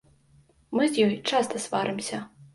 Мы з ёй часта сварымся.